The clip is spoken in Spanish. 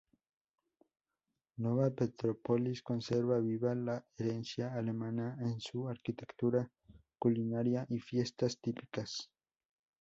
Nova Petrópolis conserva viva la herencia alemana en su arquitectura, culinaria y fiestas típicas.